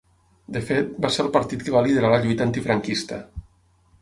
De fet, va ser el partit que va liderar la lluita antifranquista.